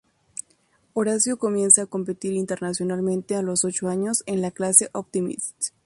Horacio comienza a competir internacionalmente a los ocho años en la clase Optimist.